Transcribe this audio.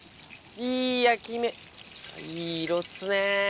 いい色っすね。